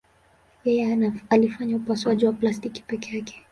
Yeye alifanya upasuaji wa plastiki peke yake.